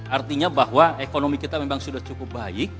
artinya bahwa ekonomi kita memang sudah cukup baik